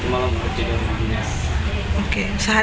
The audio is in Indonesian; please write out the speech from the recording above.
di rumah anak anak diangkat diangkat diangkat